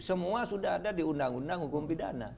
semua sudah ada di undang undang hukum pidana